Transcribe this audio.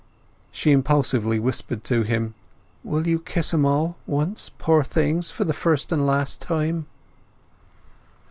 She impulsively whispered to him— "Will you kiss 'em all, once, poor things, for the first and last time?"